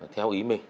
theo ý mình